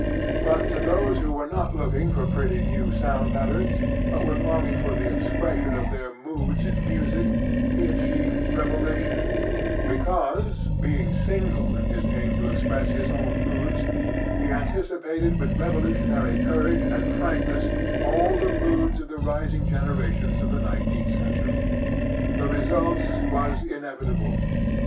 But to those who were not looking for pretty new sound patterns, but were longing for the expression of their moods in music, he achieved revelation, because, being single in his aim to express his own moods, he anticipated with revolutionary courage and frankness all the moods of the rising generations of the nineteenth century. The result was inevitable.